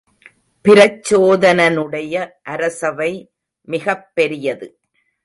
பிரச்சோதனனுடைய அரசவை மிகப்பெரியது.